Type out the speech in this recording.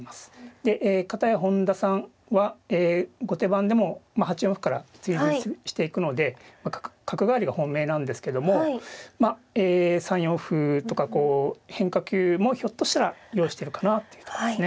で片や本田さんは後手番でも８四歩から追随していくので角換わりが本命なんですけども３四歩とか変化球もひょっとしたら用意してるかなというところですね。